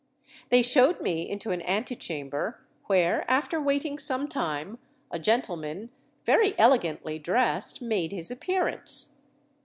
They showed me into an ante chamber, where, after waiting some time, a gentleman, very elegantly dressed, made his appearance.